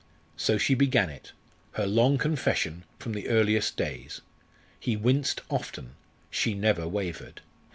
So she began it her long confession, from the earliest days. He winced often she never wavered.